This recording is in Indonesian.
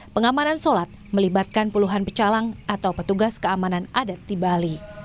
pengamanan sholat melibatkan puluhan pecalang atau petugas keamanan adat di bali